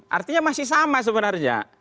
artinya masih sama sebenarnya